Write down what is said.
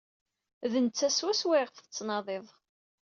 D netta swaswa ayɣef tettnadiḍ.